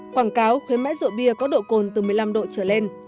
quảng cáo khuyến mãi rượu bia có độ cồn từ một mươi năm độ trở lên